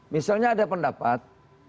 misalnya ada pendapat